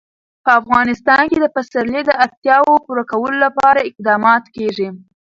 په افغانستان کې د پسرلی د اړتیاوو پوره کولو لپاره اقدامات کېږي.